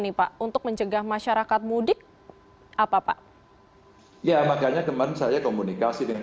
nih pak untuk mencegah masyarakat mudik apa pak ya makanya kemarin saya komunikasi dengan